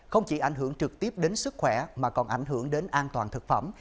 không chỉ ảnh hưởng trực tiếp đến sức khỏe mà còn ảnh hưởng đến an toàn thực phẩm